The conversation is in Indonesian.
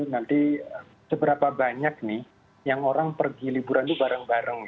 nanti seberapa banyak nih yang orang pergi liburan itu bareng bareng